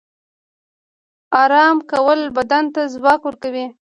آرام کول بدن ته ځواک ورکوي